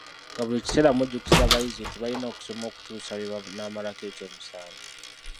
Nga buli kiseera mujjukiza abayizi nti balina okusoma okutuusa lwe banaamalako ekyomusanvu.